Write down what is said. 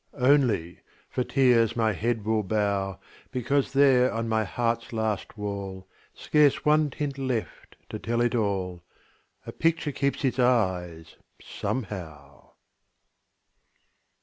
Only, for tears my head will bow, Because there on my heart's last wall, Scarce one tint left to tell it all, A picture keeps its eyes, somehow.